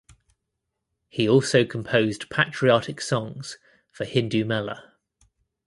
He also composed patriotic songs for Hindu Mela.